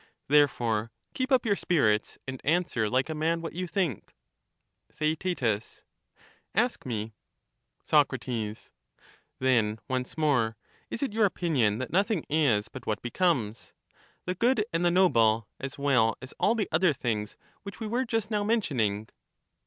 Therefore, keep up your spirits, and answer like a man what you think. TheaeU Ask me. Soc, Then once more : Is it your opinion that nothing is but what becomes ?— the good and the noble, as well as all the other things which we were just now mentioning